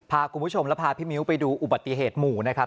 พาคุณผู้ชมและพาพี่มิ้วไปดูอุบัติเหตุหมู่นะครับ